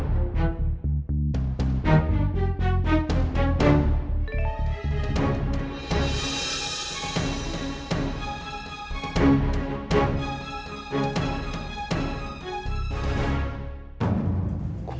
hari ini afif terlihat aneh dan mencurigakan